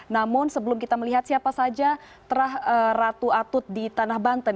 namun sebelum kita melihat siapa saja terah ratu atut di tanah banten